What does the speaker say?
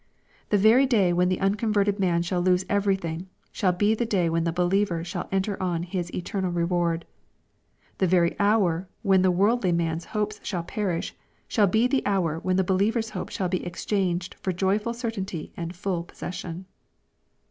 The very day when the unconverted man shall lose every thing, shall be the day when the believer shall enter on his eternal reward. The very hour when the worldly man's hopes shall perish, shall be the hour when the believer's hope shall be exchanged for joyful certainty and full possession.